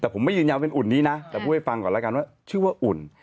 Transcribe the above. แต่ผมไม่ยืนยันเป็นอุ่นนี้นะแต่พูดให้ฟังก่อนแล้วกันว่าชื่อว่าอุ่น